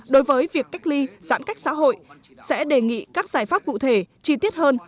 đối với việc cách ly giãn cách xã hội sẽ đề nghị các giải pháp cụ thể chi tiết hơn